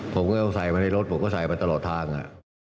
ผมก็ต้องใส่มาในรถผมก็ใส่มาตลอดทาง